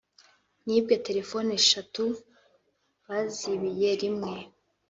“Nibwe telefoni eshatu bazibiye rimwe